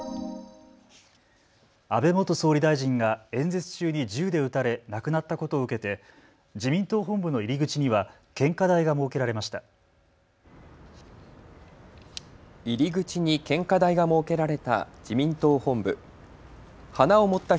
安倍元総理大臣が演説中に銃で撃たれ亡くなったことを受けて自民党本部の入り口には献花台が設けられました。